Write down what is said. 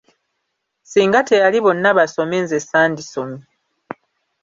Singa teyali Bonna Basome' nze ssandisomye.